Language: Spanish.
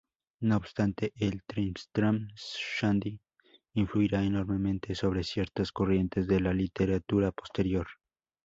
No obstante, el "Tristram Shandy" influirá enormemente sobre ciertas corrientes de la literatura posterior.